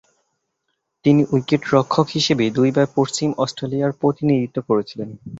তিনি উইকেট-রক্ষক হিসেবে দুইবার পশ্চিম অস্ট্রেলিয়ার প্রতিনিধিত্ব করেছিলেন।